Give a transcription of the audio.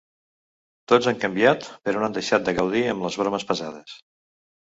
Tots han canviat, però no han deixat de gaudir amb les bromes pesades.